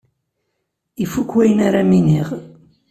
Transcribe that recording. Ifuk wayen ara m-iniɣ.